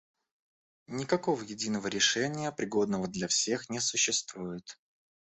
Никакого единого решения, пригодного для всех, не существует.